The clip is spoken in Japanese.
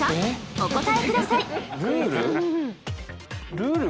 お答えくださいルール？